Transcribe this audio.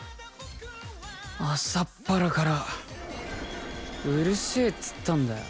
⁉朝っぱらからうるせぇっつったんだよ